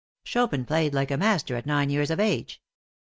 Chopin played like a master at nine years of age.